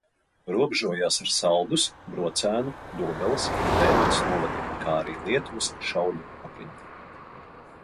Robežojās ar Saldus, Brocēnu, Dobeles un Tērvetes novadiem, kā arī Lietuvas Šauļu apriņķi.